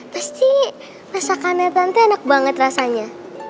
pasti masakannya tante enak banget rasanya